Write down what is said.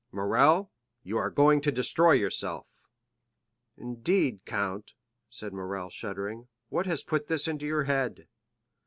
Morrel, you are going to destroy yourself!" "Indeed, count," said Morrel, shuddering; "what has put this into your head?"